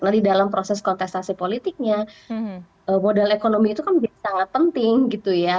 nah di dalam proses kontestasi politiknya modal ekonomi itu kan menjadi sangat penting gitu ya